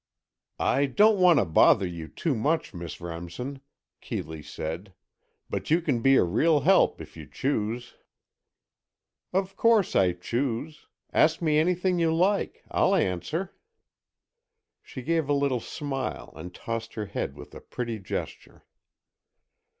"I don't want to bother you too much, Miss Remsen," Keeley said, "but you can be a real help, if you choose." "Of course I choose. Ask me anything you like—I'll answer." She gave a little smile and tossed her head with a pretty gesture.